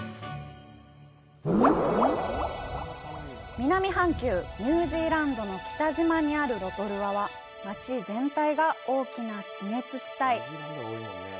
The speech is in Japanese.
南半球、ニュージーランドの北島にあるロトルアは街全体が大きな地熱地帯。